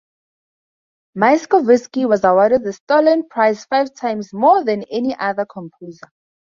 Myaskovsky was awarded the Stalin Prize five times, more than any other composer.